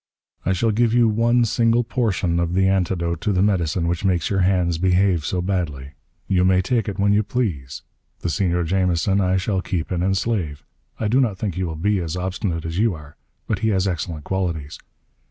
"I shall give you one single portion of the antidote to the medicine which makes your hands behave so badly. You may take it when you please. The Senor Jamison I shall keep and enslave. I do not think he will be as obstinate as you are, but he has excellent qualities.